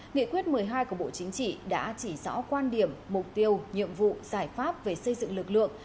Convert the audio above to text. nghị quyết một mươi hai của bộ chính trị đã chỉ rõ quan điểm mục tiêu nhiệm vụ giải pháp về xây dựng lực lượng